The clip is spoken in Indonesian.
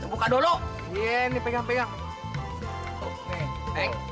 oh ada sepijir dong